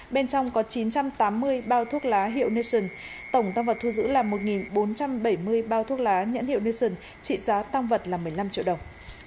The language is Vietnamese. bên trong có chín trăm tám mươi bao thuốc lá hiệu nation tổng tăng vật thu giữ là một bốn trăm bảy mươi bao thuốc lá nhãn hiệu nissan trị giá tăng vật là một mươi năm triệu đồng